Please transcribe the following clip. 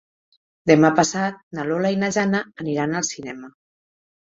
Demà passat na Lola i na Jana aniran al cinema.